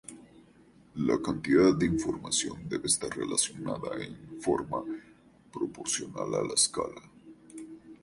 La cantidad de información debe estar relacionada en forma proporcional a la escala.